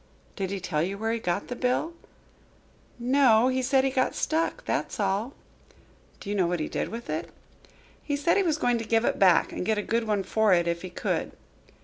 "Did he tell you where he got the bill?" "No, he said he got stuck, that's all." "Do you know what he did with it?" "He said he was going to give it back and get a good one for it, if he could."